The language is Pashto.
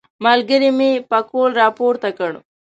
ملګري مې پکول راپورته کړ.